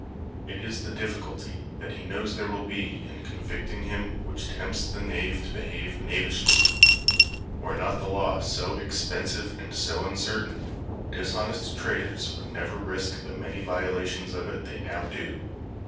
It is the difficulty that he knows there will be in convicting him which tempts the knave to behave knavishly. Were not the law so expensive and so uncertain, dishonest traders would never risk the many violations of it they now do.